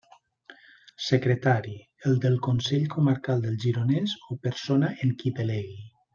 Secretari: el del Consell Comarcal del Gironès o persona en qui delegui.